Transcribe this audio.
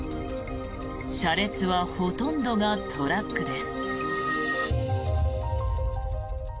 車列はほとんどがトラックです。